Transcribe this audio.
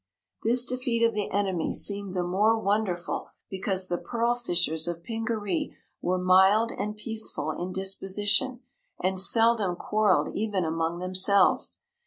This defeat of the enemy seemed the more wonderful because the pearl fishers of Pingaree were mild and peaceful in disposition and seldom quarreled even among themselves.